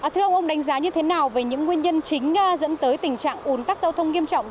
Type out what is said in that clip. thưa ông ông đánh giá như thế nào về những nguyên nhân chính dẫn tới tình trạng ủn tắc giao thông nghiêm trọng